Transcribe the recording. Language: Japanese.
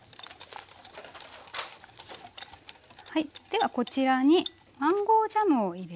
ではこちらにマンゴージャムを入れます。